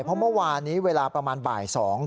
เพราะเมื่อวานนี้เวลาประมาณบ่าย๒